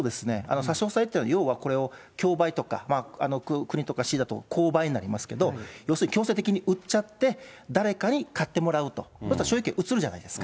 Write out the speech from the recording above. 差し押さえっていうのは、要はこれは競売とか国とか市だと公売になりますけれども、要するに強制的に誰かに買ってもらうと、所有権移るじゃないですか。